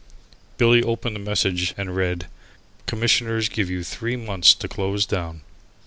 Billy opened the message and read, "Commissioners give you three months to close down."